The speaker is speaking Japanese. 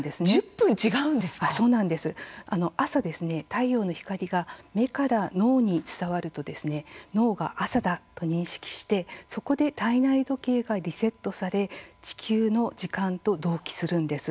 太陽の光が目から脳に伝わると脳が朝だと認識してそこで体内時計がリセットされ地球の時間と同期するんです。